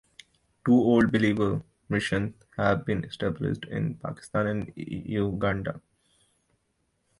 Two Old Believer missions have been established in Pakistan and Uganda.